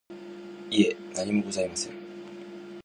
いえ、何もございません。